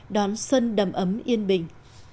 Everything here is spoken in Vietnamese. đón xuân đầm ấm yên bình